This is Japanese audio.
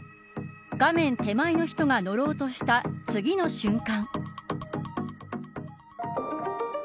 画面手前の人が乗ろうとした次の瞬間。